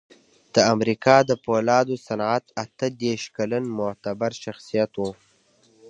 د امریکا د پولادو صنعت اته دېرش کلن معتبر شخصیت و